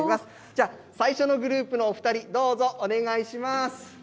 じゃあ、最初のグループのお２人、どうぞ、お願いします。